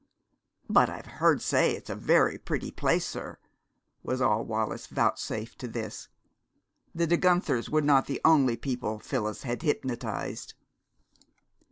"But I've heard say it's a very pretty place, sir," was all Wallis vouchsafed to this. The De Guenthers were not the only people Phyllis had hypnotized.